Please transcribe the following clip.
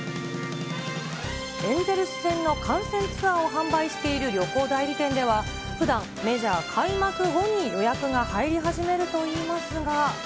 エンゼルス戦の観戦ツアーを販売している旅行代理店では、ふだん、メジャー開幕後に予約が入り始めるといいますが。